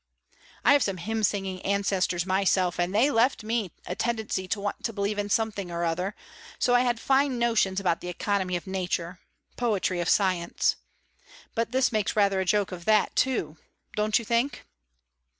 I have some hymn singing ancestors myself, and they left me a tendency to want to believe in something or other, so I had fine notions about the economy of nature poetry of science. But this makes rather a joke of that, too don't you think?"